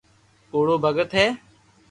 ڪوڙو ڀگت ھي